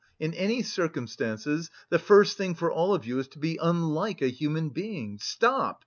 In any circumstances the first thing for all of you is to be unlike a human being! Stop!"